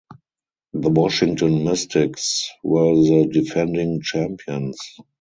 The Washington Mystics were the defending champions.